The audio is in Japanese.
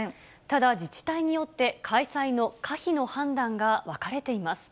ただ、自治体によって開催の可否の判断が分かれています。